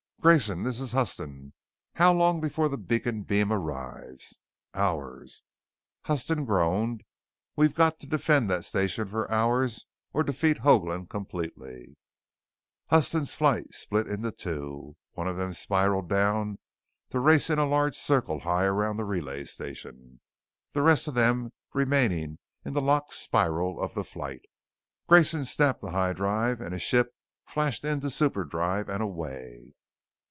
"Grayson, this is Huston. How long before the beacon beam arrives?" "Hours." Huston groaned. "We've got to defend that station for hours or defeat Hoagland completely!" Huston's flight split into two, one of them spiralled down to race in a large circle high around the relay station, the rest of them remaining in the locked spiral of the flight. Grayson snapped the high drive and his ship flashed into superdrive and away.